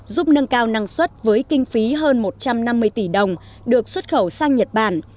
giúp nâng cao năng suất với kinh phí hơn một trăm năm mươi tỷ đồng được xuất khẩu sang nhật bản